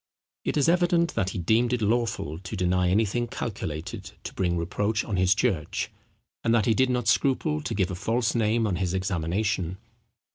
It is evident that he deemed it lawful to deny anything calculated to bring reproach on his church; and that he did not scruple to give a false name on his examination.